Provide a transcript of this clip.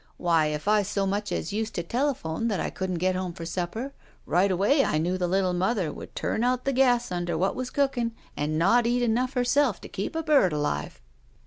Why, if I so much as used to telephone that I cotddn't get home for supper, right away I knew the little mother would turn out the gas under what was cooking and not eat enough herself to keep a bird alive."